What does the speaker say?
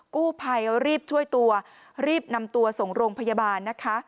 กู้ภัยรีบช่วยตัวรีบนำตัวส่งโรงพยาบาลนะคะ